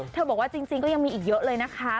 บอกว่าจริงก็ยังมีอีกเยอะเลยนะคะ